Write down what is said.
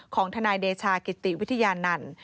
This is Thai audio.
ของทนายเดชากิติวิทยานาน